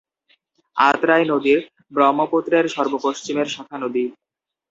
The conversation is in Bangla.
আত্রাই নদী ব্রহ্মপুত্রের সর্বপশ্চিমের শাখানদী।